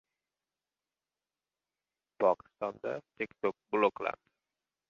Pokistonda TikTok bloklandi